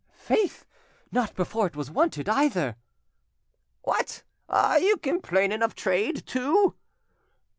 "Faith! not before it was wanted, either!" "What! are you complaining of trade too?"